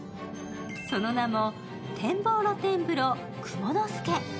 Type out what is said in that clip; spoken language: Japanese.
その名も、展望露天風呂・雲の助。